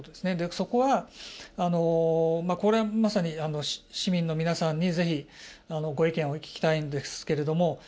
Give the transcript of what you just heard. そこはこれまさに市民の皆さんにぜひご意見を聞きたいんですけれども。